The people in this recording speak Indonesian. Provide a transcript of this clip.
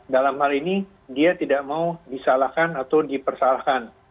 dalam hal ini dia tidak mau disalahkan atau dipersalahkan